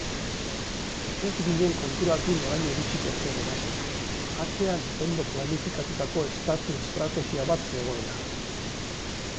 Ez ginen konturatu noraino iritsiko zen erasoa, atzean ondo planifikatutako estatu estrategia bat zegoela.